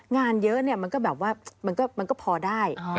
งานเยอะเนี่ยมันก็แบบว่ามันก็พอได้